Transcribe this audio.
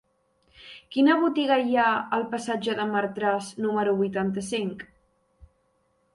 Quina botiga hi ha al passatge de Martras número vuitanta-cinc?